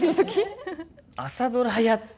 朝ドラやって。